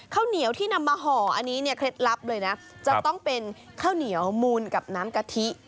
ข้าวเหนียวที่นำมาห่ออันนี้เนี่ยเคล็ดลับเลยนะจะต้องเป็นข้าวเหนียวมูลกับน้ำกะทิ